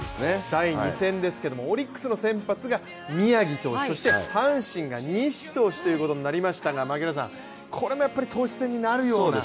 第２戦ですけれどもオリックスの先発が宮城投手、そして阪神が西投手ということになりましたがこれも投手戦になるような。